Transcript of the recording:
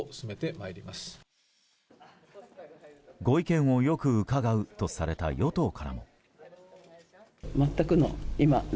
ご意見をよく伺うとされた与党からも。